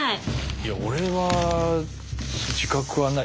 いや俺は自覚はない。